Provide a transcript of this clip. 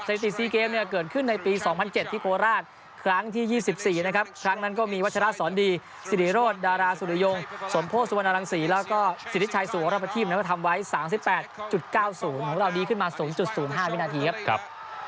ถิติ๔เกมเนี่ยเกิดขึ้นในปี๒๐๐๗ที่โคราชครั้งที่๒๔นะครับครั้งนั้นก็มีวัชราสอนดีสิริโรธดาราสุริยงสมโพธิสุวรรณรังศรีแล้วก็สิทธิชัยสุวรประทีพนั้นก็ทำไว้๓๘๙๐ของเราดีขึ้นมา๐๐๕วินาทีครับ